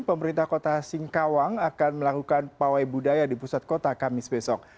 pemerintah kota singkawang akan melakukan pawai budaya di pusat kota kamis besok